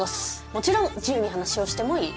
もちろん自由に話をしてもいい。